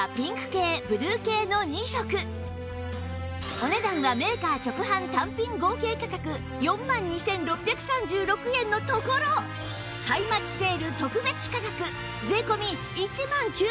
お値段はメーカー直販単品合計価格４万２６３６円のところ歳末セール特別価格税込１万９８００円です